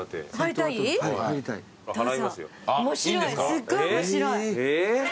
すっごい面白い。